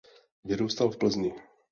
Vyrůstal v Plzni.